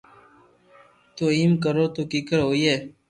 تو ايم ڪرو تو ڪيڪر ھوئي